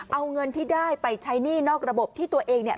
เอาเงินที่ได้ไปใช้หนี้นอกระบบที่ตัวเองเนี่ย